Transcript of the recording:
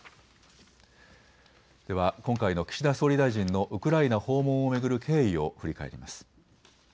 では今回の岸田総理大臣のウクライナ訪問を巡る経緯を振り返ります。